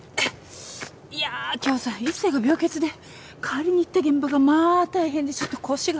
いやあ今日さ一星が病欠で代わりに行った現場がまあ大変でちょっと腰が。